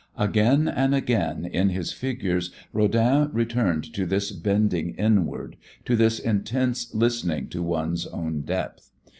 Again and again in his figures Rodin returned to this bending inward, to this intense listening to one's own depth.